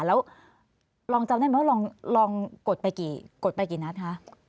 แล้วลองจำได้ไหมว่าลองกดไปกี่นัดคะ